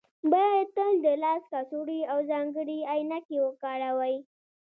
باید تل د لاس کڅوړې او ځانګړې عینکې وکاروئ